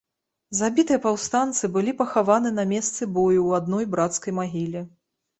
Забітыя паўстанцы былі пахаваны на месцы бою ў адной брацкай магіле.